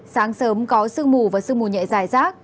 sáng sớm có sương mù và sương mù nhẹ dài rác